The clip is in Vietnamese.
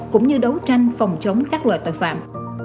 cũng như đấu tranh phòng chống các loại tội phạm